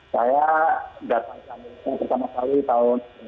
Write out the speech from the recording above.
saya datang ke amerika pertama kali tahun seribu sembilan ratus sembilan puluh sembilan